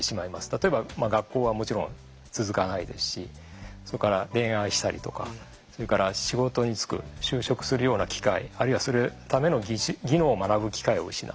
例えば学校はもちろん続かないですしそれから恋愛したりとかそれから仕事に就く就職するような機会あるいはそのための技能を学ぶ機会を失う。